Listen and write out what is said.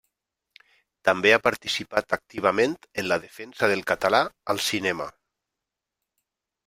També ha participat activament en la defensa del català al cinema.